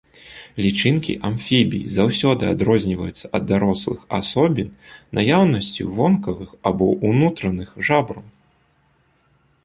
Лічынкі амфібій заўсёды адрозніваюцца ад дарослых асобін наяўнасцю вонкавых або ўнутраных жабраў.